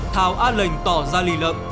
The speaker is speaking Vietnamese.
thảo an lệnh tỏ ra lì lợm